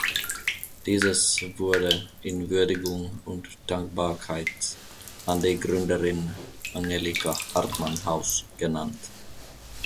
Dieses wurde in Würdigung und Dankbarkeit an die Gründerin "Angelika-Hartmann-Haus" genannt.